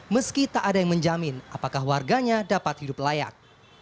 meski tak ada yang menjamin apakah warganya dapat hidup layak